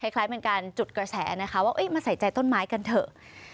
คล้ายเป็นการจุดกระแสนะคะว่ามาใส่ใจต้นไม้กันเถอะ